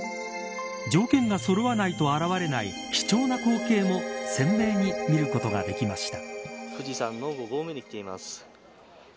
条件がそろわないと現れない貴重な光景も鮮明に見ることができました。